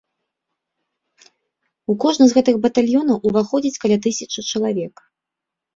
У кожны з гэтых батальёнаў уваходзіць каля тысячы чалавек.